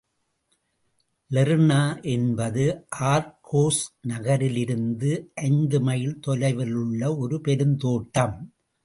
Lerna என்பது Argos நகரிலிருந்து ஐந்து மைல் தொலைவிலுள்ள ஒரு பெருந்தோட்டம்.